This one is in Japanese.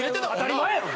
当たり前やろ！